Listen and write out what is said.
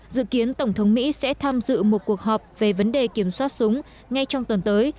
dự kiến tổng thống mỹ sẽ tham dự một cuộc họp về vấn đề kiểm soát súng ngay trong tuần tới